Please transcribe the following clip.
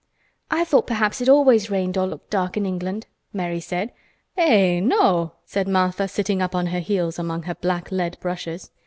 "I thought perhaps it always rained or looked dark in England," Mary said. "Eh! no!" said Martha, sitting up on her heels among her black lead brushes.